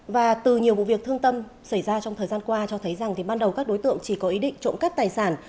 và từ nhiều vụ việc thương tâm xảy ra trong thời gian qua cho thấy rằng ban đầu các đối tượng chỉ có ý định trộm cắp tài sản